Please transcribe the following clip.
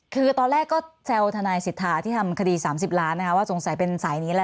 คือตอนแรกก็แซวทนายสิทธาที่ทำคดี๓๐ล้านนะคะว่าสงสัยเป็นสายนี้แหละ